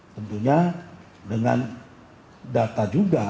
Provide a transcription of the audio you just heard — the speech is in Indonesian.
tentunya dengan data juga